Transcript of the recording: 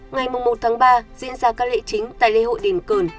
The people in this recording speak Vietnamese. ngày một ba diễn ra các lễ chính tại lễ hội đền cơn